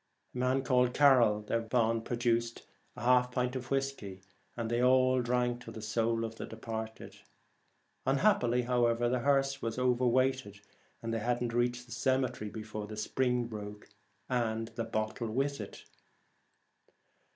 A man called Carroll thereupon produced a half pint of whiskey, and they all drank to the soul of the de parted. Unhappily, however, the hearse was over weighted, and they had not reached the cemetery before the spring broke, and the bottle with it.